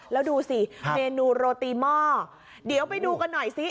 แล้วดูสิเมนูโรตีหม้อเดี๋ยวไปดูกันหน่อยสิ